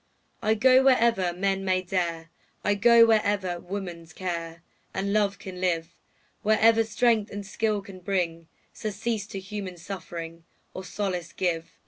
I go wherever men may dare, I go wherever woman's care And love can live, Wherever strength and skill can bring Surcease to human suffering, Or solace give.